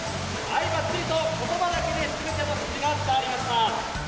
ばっちりとことばだけですべての指示が伝わりました。